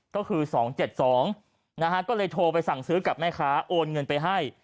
ก็คือ๒๗๒นะฮะก็เลยโทรไปสั่งซื้อกับแม่ค้าโอนเงินไปให้